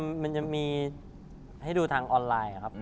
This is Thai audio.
ครับก็มันจะมีให้ดูทางออนไลน์ครับ